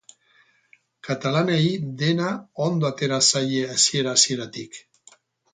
Katalanei dena ondo atera zaie hasiera-hasieratik.